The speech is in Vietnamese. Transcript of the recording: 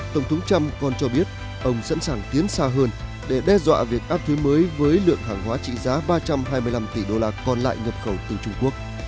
tổng thống trump còn cho biết ông sẵn sàng tiến xa hơn để đe dọa việc áp thuế mới với lượng hàng hóa trị giá ba trăm hai mươi năm tỷ đô la còn lại nhập khẩu từ trung quốc